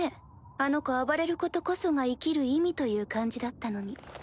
あの子暴れることこそが生きる意味という感じだったのに。